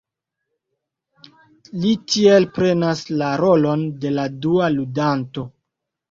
Li tiel prenas la rolon de la dua ludanto.